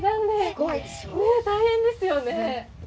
ねえ大変ですよね